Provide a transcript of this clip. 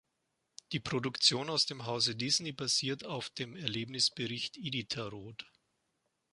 Die Produktion aus dem Hause Disney basiert auf dem Erlebnisbericht "Iditarod.